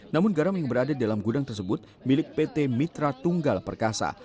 namun garam yang berada dalam gudang tersebut milik pt mitra tunggal perkasa